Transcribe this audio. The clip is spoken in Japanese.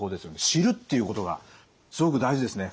知るっていうことがすごく大事ですね